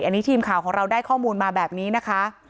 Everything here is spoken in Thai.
อันนี้ทีมข่าวของเราได้ข้อมูลมาแบบนี้นะคะ